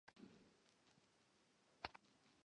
其中一种常用的手法是推拿。